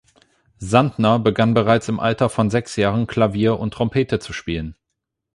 Santner begann bereits im Alter von sechs Jahren Klavier und Trompete zu spielen.